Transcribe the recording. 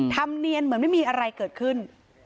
ธรรมเนียนเหมือนไม่มีอะไรเกิดขึ้น